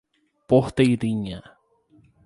Porteirinha